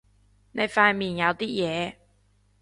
你塊面有啲嘢